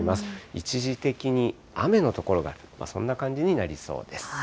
一時的に雨の所がある、そんな感じになりそうです。